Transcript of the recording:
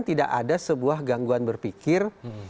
tidak ada sebuah gangguan berpikir